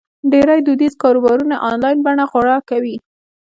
ډېری دودیز کاروبارونه آنلاین بڼه غوره کوي.